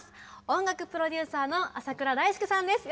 音楽プロデューサーの浅倉大介さんです。